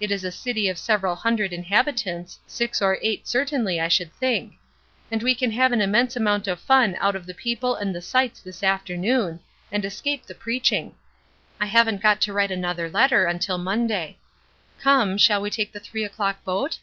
It is a city of several hundred inhabitants, six or eight, certainly, I should think; and we can have an immense amount of fun out of the people and the sights this afternoon, and escape the preaching. I haven't got to write another letter until Monday. Come, shall we take the three o'clock boat?"